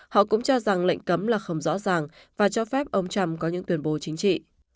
họ cũng cho rằng lệnh cấm là không rõ ràng và cho phép ông trump có những tuyên bố chính trị